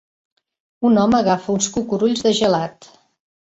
Un home agafa uns cucurulls de gelat.